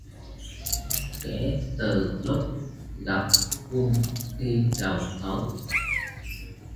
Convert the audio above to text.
Kể từ lúc gặp quân khi đầu tối